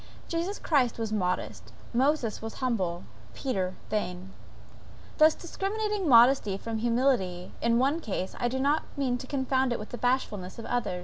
Jesus Christ was modest, Moses was humble, and Peter vain. Thus discriminating modesty from humility in one case, I do not mean to confound it with bashfulness in the other.